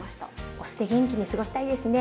お酢で元気に過ごしたいですね。